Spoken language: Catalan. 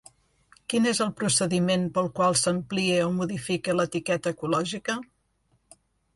Quin és el procediment pel qual s'amplia o modifica l'etiqueta ecològica?